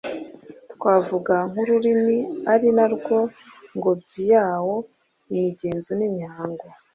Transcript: twavuga nk’ururimi ari na rwo ngobyi yawo, imigenzo n’imihango